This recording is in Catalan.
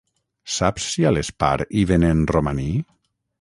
Saps si a l'Spar hi venen romaní?